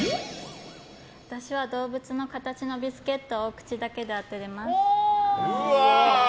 私はどうぶつの形のビスケットを口だけで当てられます。